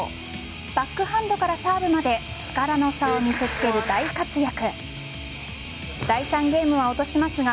バックハンドからサーブまで力の差を見せ付ける大活躍。